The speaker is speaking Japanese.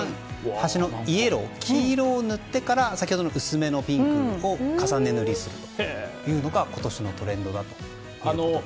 端のイエロー黄色を塗ってから先ほどの薄めのピンクを重ね塗りするというのが今年のトレンドだということで。